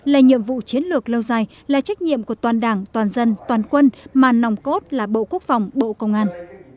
là nhiệm vụ chiến lược lâu dài là trách nhiệm của toàn đảng toàn dân toàn quân mà nòng cốt là bộ quốc phòng bộ công an